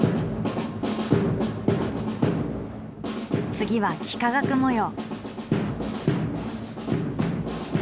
次は幾何学模様。